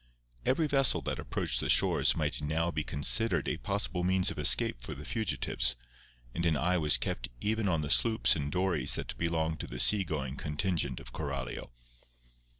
Every vessel that approached the shores might now be considered a possible means of escape for the fugitives; and an eye was kept even on the sloops and dories that belonged to the sea going contingent of Coralio.